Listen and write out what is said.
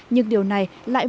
nhưng điều này lại vui